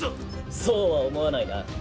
そうは思わないな。